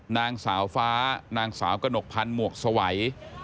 นางสาวฟ้านางสาวกระหนกพันธ์หมวกสวัย